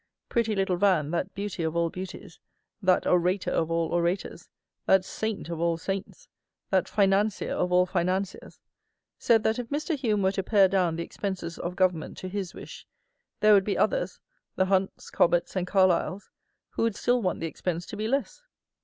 Pretty little VAN, that beauty of all beauties; that orator of all orators; that saint of all saints; that financier of all financiers, said that if Mr. HUME were to pare down the expenses of government to his wish, there would be others "the Hunts, Cobbetts, and Carliles, who would still want the expense to be less."